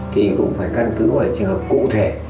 thì cũng phải căn cứ ở trường hợp cụ thể